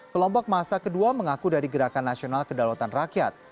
kelompok massa kedua mengaku dari gerakan nasional kedalotan rakyat